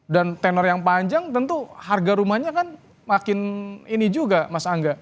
dan tenor yang panjang tentu harga rumahnya kan makin ini juga mas angga